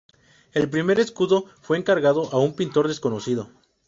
El primer escudo fue encargado a un pintor desconocido.